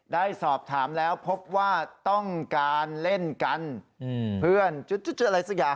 ได้สอบถามแล้วพบว่าต้องการเล่นกันเพื่อนจุดอะไรสักอย่าง